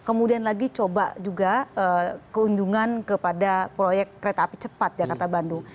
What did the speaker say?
kemudian lagi coba juga kunjungan kepada proyek kereta api cepat jakarta bandung